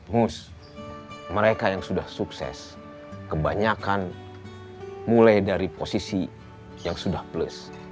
host mereka yang sudah sukses kebanyakan mulai dari posisi yang sudah plus